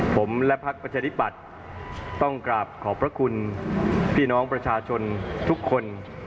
ผมและพักประชาธิปัตย์ต้องกราบขอบพระคุณพี่น้องประชาชนทุกคน